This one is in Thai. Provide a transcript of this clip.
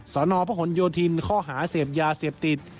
สนพระขนโยธินข้อหาเสียบยาเสียบติด